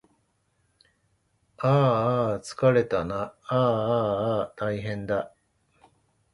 ああああつかれたなああああたいへんだ